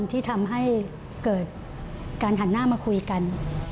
ที่ทำให้เกิดการหันหน้ามาคุยกัน